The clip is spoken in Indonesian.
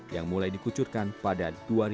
yang mulai dikucurkan pada dua ribu lima belas